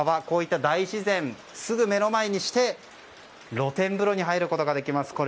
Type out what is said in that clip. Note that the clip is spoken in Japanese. こういった大自然をすぐ目の前にして露天風呂に入ることができます。